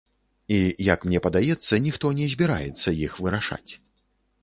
І, як мне падаецца, ніхто не збіраецца іх вырашаць.